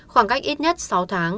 khoảng cách ít nhất sáu tháng